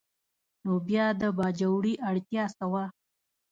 نو بیا د باجوړي اړتیا څه وه؟